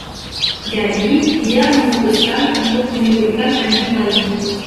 Jadi dia memutuskan untuk menidurkan anjing lain.